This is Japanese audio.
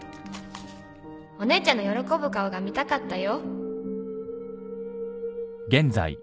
「お姉ちゃんの喜ぶ顔が見たかったよ」